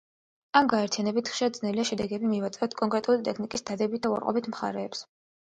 ამ გაერთიანებით, ხშირად ძნელია შედეგები მივაწეროთ კონკრეტული ტექნიკის დადებით და უარყოფით მხარეებს.